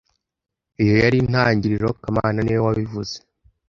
Iyo yari intangiriro kamana niwe wabivuze